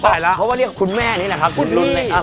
ตายละเขาว่าเรียกคุณแม่นี่แหละ